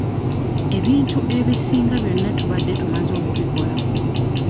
Ebintu ebisinga byonna tubadde tumaze okubikolako.